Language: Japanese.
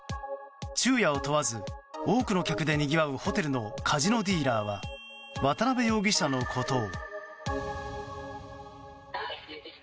昼夜を問わず多くの客でにぎわうホテルのカジノディーラーは渡邉容疑者のことを。